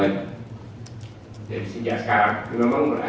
masih diberi hak kepada negara untuk diperbarui selama tiga puluh tahun